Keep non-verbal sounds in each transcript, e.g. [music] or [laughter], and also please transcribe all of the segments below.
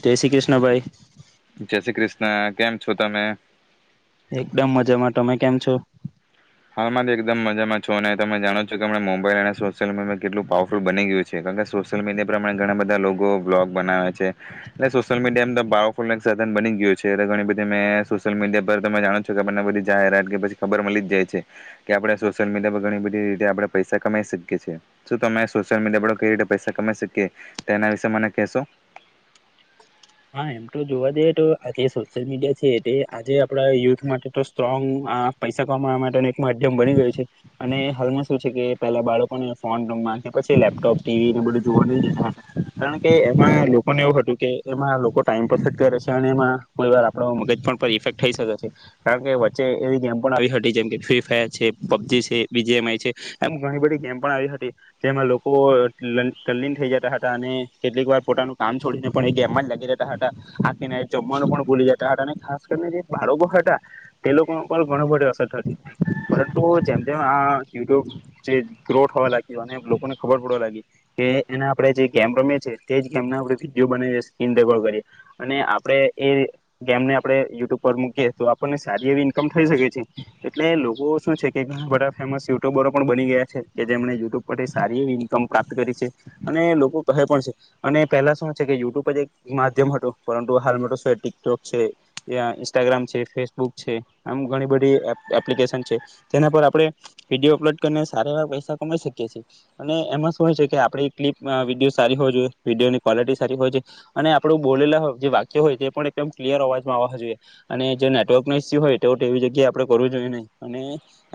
જય શ્રી કૃષ્ણભાઈ જય શ્રી કૃષ્ણ કેમ છો તમે એકદમ મજામાં તમે કેમ છો હા મારે એકદમ મજામાં છો ને તમે જાણો છો કે હમ મોબાઈલ અને સોશિયલ મીડિયા કેટલું પાવરફુલ બની ગયું છે કારણ કે સોશિયલ મીડિયા પર ઘણાધા લોકો બ્લોગ બનાવે છે એલે સોશિયલ મીડિયા એમ પાવરફુલ એક સાધન બની ગયું છે એ ઘણી બધી મેમે સોશિયલ મીડિયા પર તમે જાણો છો કે બને બધી જાહેરાત કે પછી ખબર મળી જાય છે. કે આપણે સોશિયલ મીડિયા પર ઘણી બધી રીતે આપણે પૈસા કમાઈ શકીએ છીએ શું તમે સોશિયલ મીડિયા પર કઈ રીતે પૈસા કમાઈ શકીએ તેના વિશે મને કહેશો હા એમ તો જોવા જઈએ તો આ જે સોશિયલ મીડિયા છે તે આજે આપડા યુથ માટે તો સ્ટ્રોંગ પૈસા કમાવા માટે એક માધ્યમ બની ગયું છે અને હાલમાં શું છે કે પેલા બાળકોને ફોન રમ પછી લેપટોપ ટીવી ને બધું જોવા ન જ કારણ કે એમાં લોકોને એવું હતું કે એમાં લોકો ટાઈમ કરે છે અને એમાં કો વાર આપણો મગજ પણ ઇફેક્ટ થઈ શકે છે કારણ કે વચ્ચે એવી ગેમ પણ આવી હતી જેમકે ફ્રી ફાયર છે પબજી છે બીજી એમ આઈ છે એમ ઘણી બધી ગેમ પણ આવી હતી જેમાં લોકોલીન થઈ જતા હતા અને કેટલીક વાર પોતાનું કામ છોડીને પણ એ ગ હતાને જમવાનું પણ ભૂલી જતા હતા અને ખાસ કરીને જે બાળકો હતા તે લોકો પર ઘણ બડ અસર થતી પરંતુ જેમ જેમ આ યુટ્યુબ જે ગ્રો હોવા લાગ્યો અને લોકોને ખબર પડવા લાગી કે એને આપડણે જે ગેમ રમીએીએ તે જ ગેમના આપણે વિડીયો બનીએ દગડ કરીએ અને આપણે એ ગેમને આપણે યુટ્યુબ પર મૂકીએ તો આપણને સારી એવી ઈન્કમ થઈ શકે છે એટલે લોકો શું છે કે ઘણા બધા ફેમસ યુટ્યુબરો પણ બની ગયા છે કે જેમણે યુટ્યુબ પરથી સારી એવી ઈન્કમ પ્રાપ્ત કરી છે અને લોકો કહે પણ છે અને પેલા શું છે કે યુટ્યુબ માધ્યમ હતું પરંતુ હાલમાં તો શું ટિકટોક છે ઇન્સ્ટાગ્રામ છે ફેસબુક છે આમ ઘણી બધી એપ્લિકેશન છે જેના પર આપણે વિડીયો અપલોડ કરીને સારા એ પૈસા કમાઈ શકીએ છી અને એમાં શું હોય છે કે આપડી ક્લિપ વિડીયો સારી હો જોઈએ વિડીયોની ક્વોલિટી સારી હોવી જોઈએ અને આપડું બોલેલા હોય જે વાક્ય હોય તે પણ એકદમ ક્લિયર અવાજમાં આવવા જોઈએ અને જે નેટવર્ક ઈુ હોય તો તે એવી જગ્યાએ આપડે કરવું જોઈએ નહીં અને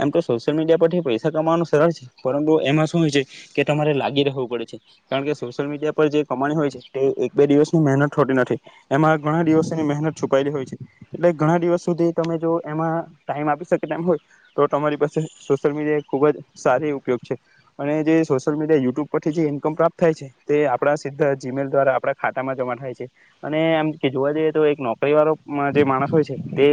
એમ તો સોશિયલ મીડિયા પરથી પૈસા કમાવાનું સરળ છે પરંતુ એમાં શું હોય છે કે તમારે લાગી રહેવું પડે છે કારણ કે સોશિયલ મીડિયા પર જે કમાણી હોય છે તે એક બે દિવસ ની મહેનત થોતી નથી એમાં ઘણા દિવસની મહેનત છુપાયેલી હોય છે એટલે ઘણા દિવસ સુધી તમે જો એમાં ટાઈમ આપી શકે એમ હોય તો તમારી પાસે સોશિયલ મીડિયા એ ખૂબ જ સારી ઉપયોગ છે અને જે સોશિયલ મીડિયા યુટ્યુબ પરથી જે ઇન્કમ પ્રાપ્ત થાય છે તે આપણા સીધા જીમેલ દ્વારા આપણા ખાતે આમ જોવા જઈએ તો એક નોકરી વાળો જે માણસ હોય છે તે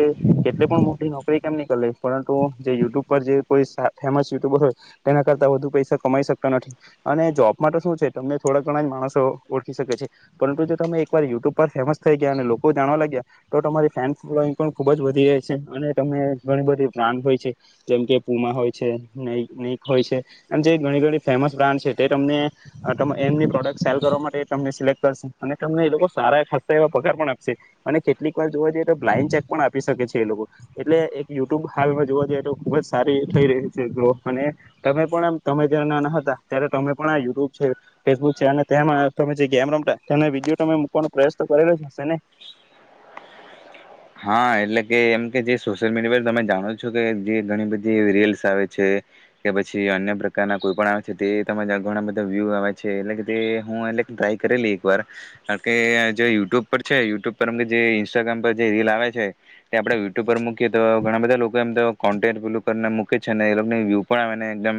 કેટલી પણ મોટી નોકરી કેમ નનીક લે પરંતુ જે યુટ્યુબ પર જે કોઈ ફેમસ યુટ્યુબર હોય તેના કરતા વધુ પૈસા કમાઈ શકતા નથી અને જોબ માટે શું છે તમને થોડાક ઘણા જ માણસો ઓળખી શકે છે. પરંતુ જો તમે એકવાર યુટ્યુબ પર ફેમસ થઈ ગયા અને લોકો જાણવા લાગ્યા તો તમારી ફેન ફોલોઈંગ પણ ખૂબ જ વધી રહે છે અને તમને ઘણી બધી બ્રાન્ડ હોય છે જેમ કે પૂમા હોય છે ન નાઈક હોય છે આમ જે ઘણી ઘણી ફેમસ બ્રાન્ડ છે તે તમને એમની પ્રોડક્ટ સેલ કરવા માટે તમને સિલેક્ટ અને તમને એ લોકો સારા ખસ્તા એવા પગાર પણ આપશે અને કેટલીક વાર જોવા જઈએ તો બ્લાઇન ચેક પણ આપી શકે છે એ લોકો એટલે એક યુટ્યુબ હમાં જોવા જઈએ તો ખુબ જ સારી થઈ રહી છે ગ્રો અને તમે પણમ તમે જયારે નાના હતા ત્યારે તમે પણ આ યુટ્યુબ છે ફેસબુક છે અને તેમાં તમે જે ગેમ રમતા તેને વિડીયો તમે મૂકવાનો પ્રયાસ તો કરેલો જ હશે ને હા, એટલે કે એમ કે જે સોશિયલ મીડિયા પર તમે જાણો છો કે જે ઘણી બધી રીલ્સ આવે છે કે પછી અન્ય પ્રકારના કોઈ પણ આવે છે, તે ઘણા બધા વ્યુ આવે છે એટલે કે તે હું એટલે ટ્રાય કરેલી એક વાર, કારણકે જે યુટ્યુબ પર છે યુટ્યુબ પરમ જે ઇન્સ્ટાગ્રામ પર રીલ આવે છે તે આપણે યુટ્યુબ પર મૂકીએ તો ઘણા બધા લોકો એમ તો કોન્ટેન્ટલને મૂકે છે ને એ વ્યુ પણ આવેને એકદમ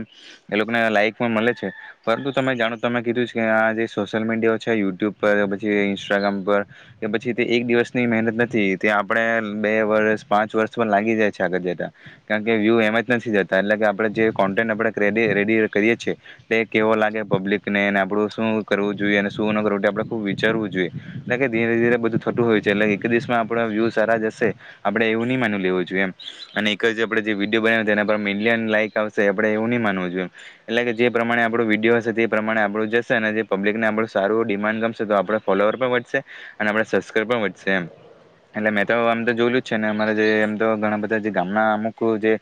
એ લોકોને લાઈક પણ મળે છે, પરંતુ તમે જાણો તમે કીધું છે કે આ જે સોશિયલ મીડિયાયો છે યુટ્યુબ પર પછી ઇન્સ્ટાગ્રામ પર કે પછી તે એક દિવસની મહેનત તે આપણે બે વર્ષ પાંચ વર્ષ પણ લાગી જાય છે આગળ જતા કારણકે વ્યૂ એમજ નથી જતા, એટલે કે આપણે જે કોન્ટેન્ટ આપડે રેડી કરીએ છીએ એ કેવો લાગે પબ્લિક ને અને આપણું શું કરવું જોઈએ અને શું ન કરવું આપડે ખૂબ વિચારવું જોઈએ, એટલે કે ધીરે ધીરે બધું થતું હોય છે, એટલે એક દિવસમાં આપડા વ્યુ સારા જશે, આપડે એવું ની માનું લેવું જોઈએ એમ અને એકજ આપડે જે વિડીયો બનાવ એના મ લાઈક આવશે આપણે એવું નહ માનવું જોઈએ એટલે કે જે પ્રમાણે આપણ વિડીયો હશે તે પ્રમાણે આપણ જશે અને જે પબ્લિકને આપણ સારું ડિમાન્ડ ગમશે તો આપ ફોલોઅર પણ વધશે અને આપ સબસ્ક્રાઈબ પણ વધશે એમ એટલે મેં તો આમ તો જોયલું જ છે, ને અમારે જે એમ તો ઘણા બધા જે ગામના અમુક જે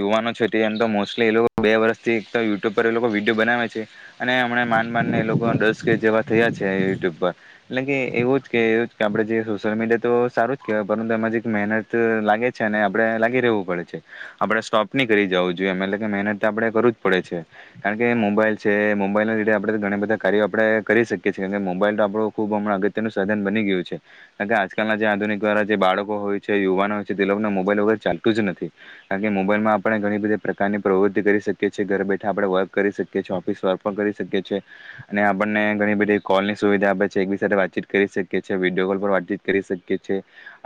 યુવાનો છે તે એમ તો મોસ્ટલી એ લોકો બે વર્ષથી, એકતો યુટ્યુબ પર એ લોકો વિડીયો બનાવે છે અને હમણા માન માનને એ લોકો દસ કે જેવા થયા છે યુટ્યુબ પર, એટલે કે એવું જ કે એવું કે આપણે જે સોશિયલ મીડિયા તો સારું જ કહેવાય પરંતુ એમાં જે એક મહેનત લાગે છે અને આપડે લાગી રહેવું પડે છે, આપડે સ્ટોપ ની કરી જવું જોઈએ એમ, એટલે કે મહેનત આપણે કરવીજ પડે છે, કારણકે મોબાઈલ છે મોબાઈલના લીધે આપણે ઘણા બધા કાર્યો આપણે કરી શકીએ છીએ કારણકે મોબાઈલ તો આપડો ખૂબ હમણાં અગત્યનું સાધન બની ગયું છે કારણકે આજકાલના જે આધુનિક દ્વારા જે બાળકો હોય છે યુવાનો હોય છે તે લોકોને મોબાઈલ વગર ચાલતું જ નથી, કારણકે મોબાઈલમાં આપણે ઘણી બધી પ્રકારની પ્રવૃત્તિ કરી શકીએ છીએ, ઘર બેઠા આપણે વર્ક કરી શકીએ છીએ, ઓફિસ વર્ક પણ કરી શકીએ છીએ અને આપણને ઘણી બધી કોલની સુવિધા આપે છે, એકબી સાથે વાતચીત કરી શકીએ છીએ, વિડીયો કોલ પર વાતચીત કરી શકીએ છે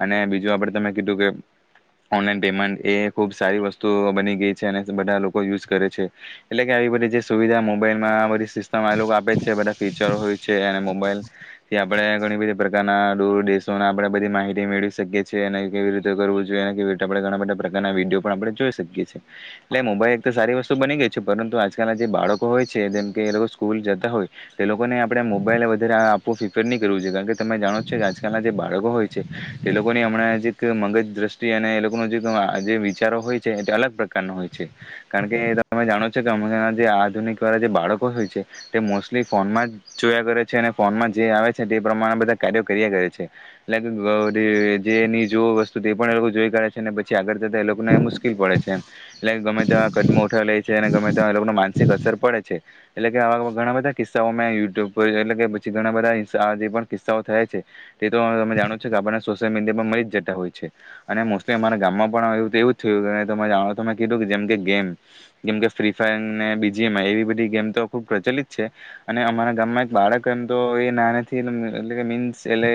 અને બીજું આપડે તમે કીધું કે ઓનલાઈન પેમેન્ટ એ ખુબ સારી વસ્તુ બની ગઈ છે અને બધા લોકો યુઝ કરે છે. એટલેકે આવી બધી જે સુવીધા મોબાઈલ માં [unintelligible] સિસ્ટમ એ લોકો આપેજ છે, બધા ફી ચર હોય છે અને મોબાઈલ થી આપડે ઘણી બધી પ્રકારના, દૂર દેશોના આપડે બધી માહિતી મેળવી શકીએ છે એને કેવી રીતે કરવું જોઈએ અને કેવી રીતે આપડે ઘણા બધા પ્રકારના વિડીયો પણ આપડે જોઈ શકીએ છીએ, એટલે મોબાઈલ એક તો સારી વસ્તુ બની ગઈ છે, પરંતુ આજકાલના જે બાળકો હોય છે જેમ કે એ લોકો સ્કૂલ જતા હોય તે લોકોને આપડે મોબાઈલ વધારે આપવું ફિફર નહી કરવુ જોઈએ કારણકે તમે જાણો કે આજકાલના જે બાળકો હોય છે. એ લોકોની હમણાં જે મગજ દ્રષ્ટિ અને એ લોકોનો જે જે વિચારો હોય છે એ અલગ પ્રકારનો હોય છે, કારણકે તમે જાણો છો કે હમણાં જે આધુનિક વાળા જે બાળકો હોય છે, તે મોસ્ટલી ફોનમાંજ જોયા કરે છે અને ફોનમાં જે આવે છે તે પ્રમાણે બધા કાર્યો કર્યા કરે છે. એટલે [unintelligible] જે ની જો વસ્તુ તે પણ એલોકો જોઈ કાઢે છે ને પછ છી આગળ જતા એલોકોને મુશ્કેલ પડે છે, એમ. એટલે ગમે ત્યાવાં કદમો ઉઠાવી લે છે અને ગમે ત્યાવા લોકો માનસિક અસર પડે છે, એટલેકે આવા ઘણા બધા કિસ્સાઓ મેં યુટ્યુબ પર એટલે કે પછી ઘણા બધા જે કિસ્સાઓ થયા છે તે તો જાણો છો કે આપણને સોશિયલ મીડિયા પર મળીજ જતા હોય છે અને મોસ્ટલી અમારા ગામમાં પણ એવું જ થયું ત જાણોમે કીધું કે જેમ કે ગેમ, જેમકે ફ્રી ફાયર ને બીજી એમ એવી બધી ગેમ તો ખુબ પ્રચલિત છે અને અમારા ગામમાં એક બાળક એમ તો, એ નાનાથી એટ મીન્સ જેલે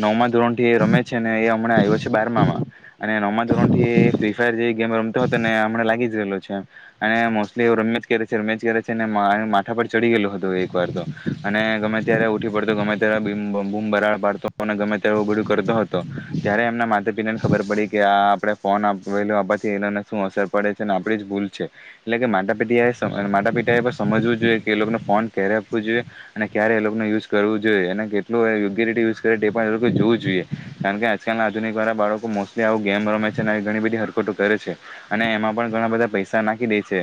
નવમાં ધોરણથી એ રમે છે ને એ હમણા આવ્યો છે બારમામાં અને નવમા ધોરણ થી ફ્રી ફાયર જેવી ગેમ રમતો હતો ને એમને લાગી જ ગલો છે અને મોસ્ટલી એ રમૈયાજ કરે છે, રમૈયાજ કરે છે માથા પર ચડી ગયેું હતું એક વાર તો અને ગમે ત્યારે ઉઠી પડતો, ગમે ત્યારે બૂમ બરાડ પાડતો ગમે ત્યારે એ બડું કરતો હતો, ત્યારે એમના માતા પિતાને ખબર પડી કે આ આપડે ફોન આપેલો આપવાથી એ લોકોને શું અસર પડે છે અને આપડીજ ભૂલ છે, એટલે કે માતા પિટી માતા પિતાએ એ પણ સમજવું જોઈએ કે એ લોકોને ફોન ક્યારે આપવું જોઈએ અને ક્યારે એ લોકોને યુઝ કરવું જોઈએ એને કેટલું યોગ્ય રીતે યુઝ કરે તે પણ જોવું જોઈએ, કારણકે આજકાલ આધુનિક વા્વારા બાળકો મોસ્ટલી ગેમ રમે છે અને ઘણી બધી હરકટ કરે છે અને એમાં પણ ઘણા બધા પૈસા નાખી દે છે,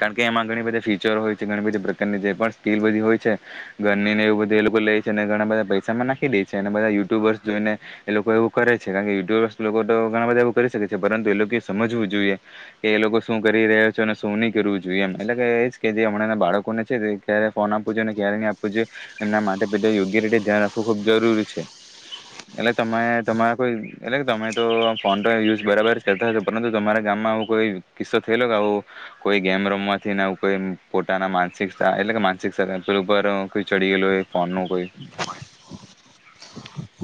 કારણકે એમાં ઘણી બધા ફીચર હોય છે, ઘણી બધી પ્રકારની જે પણ સ્કીલ બધી હોય છે, ગન્ ની ને આવી બધી એ લોકો લે છે, ઘણા બધા પૈસામાં નાખ દે છે અને ઘણા બધા યુટ્યુબર્સ જોઈને એ લોકો એવું કરે છે, કારણકે યુટ્યુબર્સ લોકો તો ઘણા બધા એવું કરી શકે છે, પરંતુ એ લોકો સમજવું જોઈએ કે એ લોકો શું કરી રહ્યા છે અને શું નહી કરવું જોઈએ, એટલે એજ કે જે હમણાં બાળકોને છે ક્યારે ફોન આપવું જોઈએ અને ક્યારે નહી આપવું જોઈએ, એમના માટે યોગ્ય રીતે ધ્યાન રાખવું ખબ જરૂરી છે, એટલે તમે તમારા કોઈ એટલે કે તમે તો ફોન તો યુઝ બરાબર કરતા હો, પરંતુ તમારા ગામમાં કોઈ કિસ્સો થયેલો કે આવું કોઈ ગેમ રમવાથી કોઈ પોતાના માનસિક એટલે કે માનસિક ઉપર કોઈ ચડી ગયેલો ફોન ન કોઈ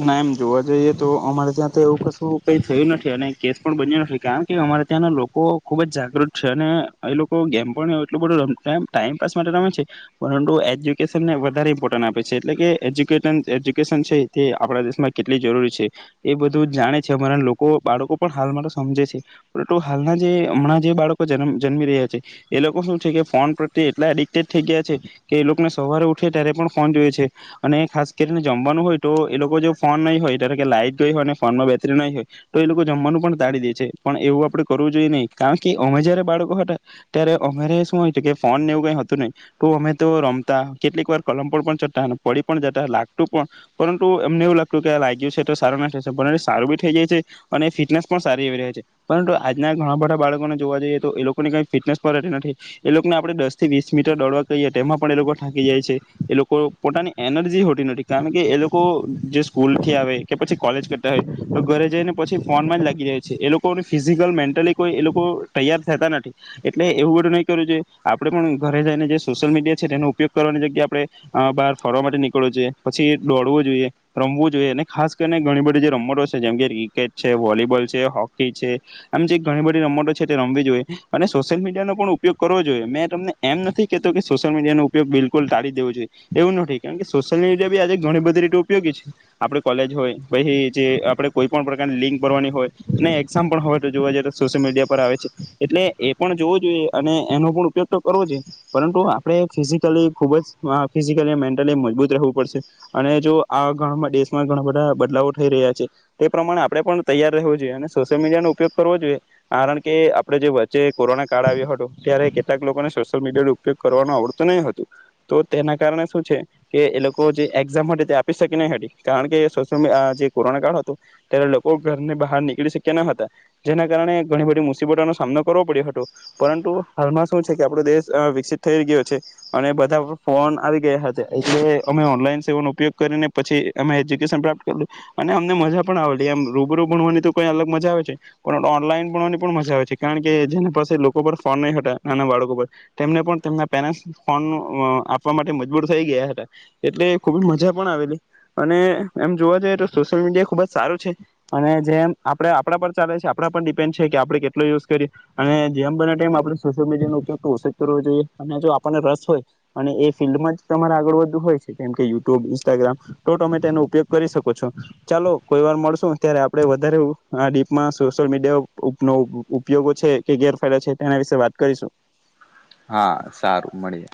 ના એમ જોવા જઈએ તો અમારે ત્યાં તો એવું કશું કંઈ થયું નથી અને કેસ પણ બન્યું નથી, કારણ કે અમારે ત્યાંના લોકો ખૂબ જ જાગૃત છે અને એ લોકો ગેમ પણ એટલું બધું ટાઈઇમપાસ માટે રમે છે, પરંતુ એજ્યુકેશનને વધારે ઇમ્પોર્ટન્ટ આપે છે, એટલેકે એજ્યુકેટન એજ્યુકેશન છે તે આપણા દેશમાં કેટલી જરૂરી છે એ બધું જાણે છે અમારા લોકો બાળકો પણ હાલમાં તો સમજે છે, પરંતુ હાલના જે હમણાં જે બાળકો જમ જન્મી રહ્યા છે એ લોકો શું છે કે ફોન પ્રત્યે એટલા એડિક્ટેડ થઈ ગયા છે, કે એ લોકોને સવારે ઉઠે ત્યારે પણ ફોન જોયએ છે અને ખાસ કરીને જમવાનું હોય તો એ લોકો જો ફોન નહીં હોય, ત્યારે કે લાઈટ ગઈ હોય ને ફોન ન બેટરી નહી હોય, તો એ લોકો જમવાનું પણ તાડીદે છે, પણ એવું આપડે કરવું જોઈએ નહી, કારણકે અમે જયારે બાળકો હતા ત્યારે અમારે શું હોય કે ફોન ને એવું કઈ હતું નહી તો અમે તો રમતા કેટલીક વાર કલમ પર પણ ચડતા, પડી પણ જતા, લાગતું પણ પરંતુ એમને એવું લાગતું આ લાગ્યું છે તો સારું નથી પરંતુ સારું બી થઈ જાય છે અને ફિટનેસ પણ સારી એવી રહે છે, પરંતુ આજના ઘણા બધા બાળકોને જોવા જઈએ તો એ લોકોની કઈ ફિટનેસ પણ રહેતી નથી, એ લોકોને આપડે દસ થી વીસ મીટર દોડવા કહીએ, તેમાં પણ એ લોકો થાકી જાય છે. એ લોકો પોતાની એનર્જી હોતી નથી કારણકે એ લોકો લોકો જે સ્કૂલ થી આવે કે પછી કોલેજ કરતા હોય, તો ઘરે જઈને પછી ફોનમાંજ લાગી જાય છે. એ લોકો ફિઝિકલ મેન્ટલી કોઈ એ લોકો તૈયાર થતા નથી એટલે એવું બધું નહીં કર્યું છે. આપડે પણ ઘરે જઈને જે સોશિયલ મીડિયા છે તેનો ઉપયોગ કરવાની જગ્યાએ આપડે બહાર ફરવા માટે નીળું જોઈએ પછી દોડવું જોઈએ, રમવું જોઈએ અને ખાસ કરીને ઘણી બધી જે રમતો છે, જેમ કે ક્રિકેટ છે, વોલીબોલ છે, હોકી છે, આમ જે ઘણી બધી રમતો છે તે રમવી જોઈએ અને સોશિયલ મીડિયાનો પણ ઉપયોગ કરવો જોઈએ. મેં તમને એમ નથી કેતો કે સોશિયલ મીડિયા નો ઉપયોગ બિલુલ ટાળી દેવો જોઈ, એવું નથી કેમ કે સોશિયલ મીડિયા બીજે ઘણી બધી ઉપયોગી છે. આપડી કોલેજ હોય પછી જે આપડે કોઈ પણ પ્રકારની લિંક ભરવાની હોય અને એક્ઝામ પણ હોય તો જોવા જઈએ તો સોશિયલ મીડિયા પર આવે છે, એટલે એ પણ જોવું જોઈએ અને એનો પણ ઉપયોગ તો કરવો જોઈએ, પરંતુ આપણે ફિઝિકલી ખૂબજ ફિઝિકલી, મેન્ટલી, ખુબજ મજબૂત રહેવું પડશે અને જો આ ઘણા દેશમાં ઘણા બધા બદલાવો થઈ રહ્યા છે, તે પ્રમાણે આપણે પણ તૈયાર રહેવું જોઈએ અને સોશિયલ મીડિયાનો ઉપયોગ કરવો જોઈએ કારણ કે આપણે જે વચ્ચે કોરોના કાળ આવ્યો હતો ત્યારે કેટલાક લોકોને સોશિયલ મીડિયા ન ઉપયોગ કરવાનો આવડતું નહી હતું તો તેના કારણે શું છે કે એ લોકો જે એક્ઝામ માટે કી નહી હતી કારણકે સોલ જે કોરોના કાળ હતો ત્યારે લોકો ઘરને બહાર નીકળી શક્યા ન હતા, જેના કારણે ઘણી બધી મુસીબતોનો સામનો કરવો પડ્યો હતો, પરંતુ હાલમાં શું છે કે આપડો દેશ વિકસિત થઈ ગયો છે અને બધા ફોન આવી ગયા હતા, એટલે અમે ઓનલાઈન સેવાનો ઉપયોગ કરીને પછી એમાં એજ્યુકેશન પ્રાપ્ત કરું અને અમને મજા આવેલી એમ રૂબરૂ ભણવાની તોઈ અલગ મજા આવે છે, પણ ઓનલાઈન ભણવાની પણ મજા આવે છે, કારણકે જેના પાસે લોકો પર ફોન નહી હતા નાના બાળકો પર તેમને પણ તેમના પેરે ફોન આપવા માટે મજબૂર થઈ ગયા હતા, એટલે ખુબ મજા પણ આવેલી અને એમ જોવા જઈએ તો સોશિયલ મીડિયા ખુબજ સારું છે અને જેમ આપડે આપડા પર ચાલે છે, આપડા પર ડિપેન્ડ છે કે આપડે કેટલો યુઝ કરીએ અને જેમ બને તેમ આપડે સોશિયલ મીડિયાનો ઉપયોગ તો ઓછજ કરવો જોઈએ અને જો આપણને રસ હોય અને એ ફિલ્ડમાંજ તમારે આગળ વધું હોય છે, જેમ કે યુટ્યુબ ઇન્સ્ટાગ્રામ તો તમે એનો ઉપયોગ કરી શકો છો. ચાલો કોઈ વાર મળશો ત્યારે આપડે વધારે આ ડીપમાં સોશિયલ મીડિયાનો ઉપયોગો છે કે ગેરફાયદા છે તેના વિશે વાત કરીશું. હા, સારું મળીએ.